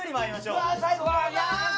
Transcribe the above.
うわ最後！